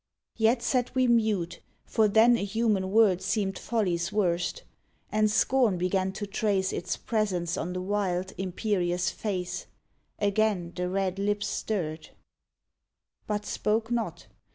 Yet sat we mute, for then a human word Seemed folly's worst. And scorn began to trace Its presence on the wild, imperious face; Again the red lips stirred, 55 "THE SWIMMERS But spoke not.